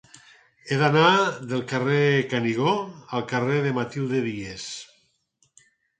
He d'anar del carrer del Canigó al carrer de Matilde Díez.